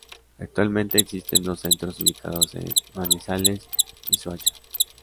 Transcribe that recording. Actualmente existen dos centros, ubicados en Manizales y Soacha.